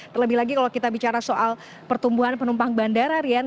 terlebih lagi kalau kita bicara soal pertumbuhan penumpang bandara rian